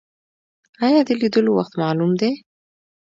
ایا د لیدلو وخت معلوم دی؟